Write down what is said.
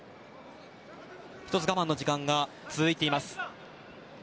１つ我慢の時間が続いています。